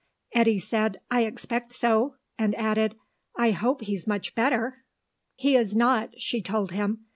Eddy said, "I expect so," and added, "I hope he's much better?" "He is not," she told him.